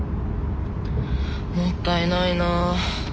もったいないなあ。